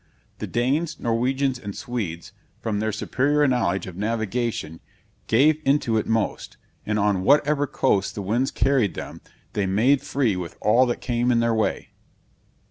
The Danes, Norwegians, and Swedes, from their superior knowledge of navigation, gave into it most; and on whatever coast the winds carried them, they made free with all that came in their way.